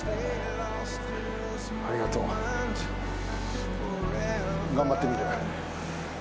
ありがとう頑張ってみる。